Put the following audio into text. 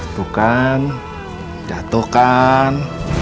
tuh kan jatuhkan